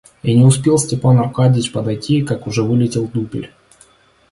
И не успел Степан Аркадьич подойти, как уж вылетел дупель.